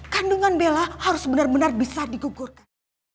kandungan bella harus benar benar bisa digugurkan